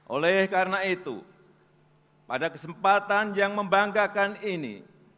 oleh karena itu pada kesempatan yang membanggakan ini